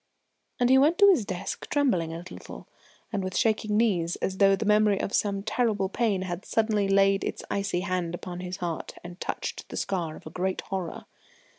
And he went to his desk trembling a little, and with shaking knees, as though the memory of some terrible pain had suddenly laid its icy hand upon his heart and touched the scar of a great horror.